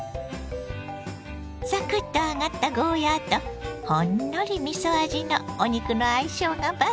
サクッと揚がったゴーヤーとほんのりみそ味のお肉の相性が抜群。